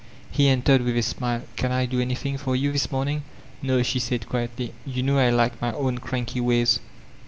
He entered with a smile : ''Can I do anything for you, tliis morning?" "No," she said quietly, "you know I like my own cranky ways.